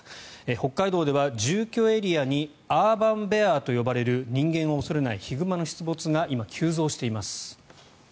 北海道では住居エリアにアーバンベアと呼ばれる人間を恐れないヒグマの出没が今、急増しています。